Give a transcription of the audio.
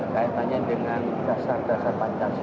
kaitannya dengan dasar dasar pancasila